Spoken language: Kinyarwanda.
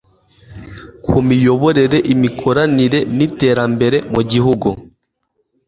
ku imiyoborere, imikoranire n'iterambere mu gihugu